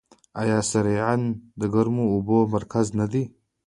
آیا سرعین د ګرمو اوبو مرکز نه دی؟